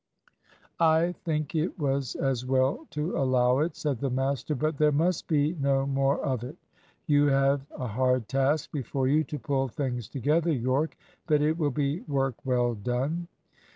"I think it was as well to allow it," said the master, "but there must be no more of it. You have a hard task before you to pull things together, Yorke, but it will be work well done."